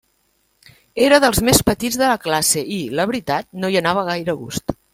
Era dels més petits de la classe i, la veritat, no hi anava gaire a gust.